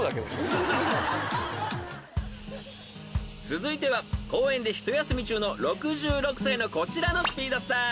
［続いては公園で一休み中の６６歳のこちらのスピードスター］